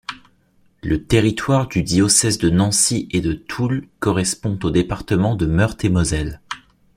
Le territoire du diocèse de Nancy et de Toul correspond au département de Meurthe-et-Moselle.